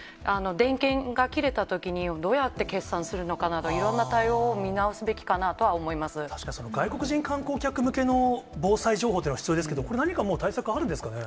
電源が切れたときに、どうやって決算するのかなど、いろんな対応を見直すべきかなと確かに外国人観光客向けの防災情報というのは必要ですけど、何か、もう対策、あるんですかね。